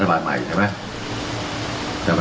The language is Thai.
จนกว่าจะได้ราชบันใหม่